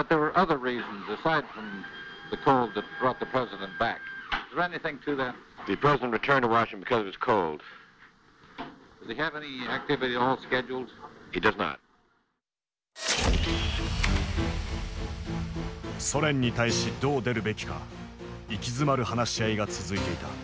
ソ連に対しどう出るべきか息詰まる話し合いが続いていた。